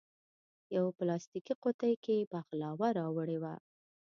یوه پلاستیکي قوتۍ کې بغلاوه راوړې وه.